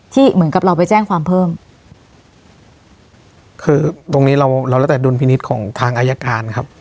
เหมือนกับเราไปแจ้งความเพิ่มคือตรงนี้เราเราแล้วแต่ดุลพินิษฐ์ของทางอายการครับ